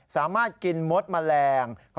สามารถกินมดแมลง